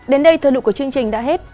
đến đây thơ lụ của chương trình đã hết